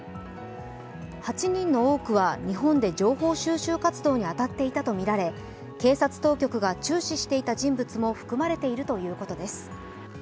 ８人の多くは日本で情報収集活動に当たっていたとみられ、警察当局が注視していた人物も含まれているということです。